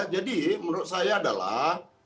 jadi menurut saya adalah